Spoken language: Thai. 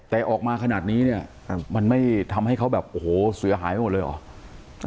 แต่ออกมาขนาดนี้เนี่ยมันไม่ทำให้เขาแบบโอ้โหเสียหายไปหมดเลยเหรอ